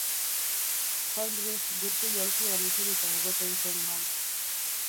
Heinrich gurpil-aulkian eserita egoten zen maiz.